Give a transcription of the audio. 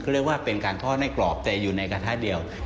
เขาเรียกว่าเป็นการทอดให้กรอบแต่อยู่ในกระทะเดียว